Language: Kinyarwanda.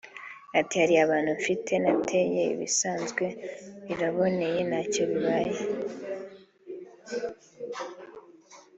Ati “Hari ahantu mfite nateye ibisanzwe biraboneye ntacyo bibaye